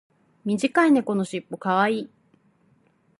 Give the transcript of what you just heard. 短い猫のしっぽ可愛い。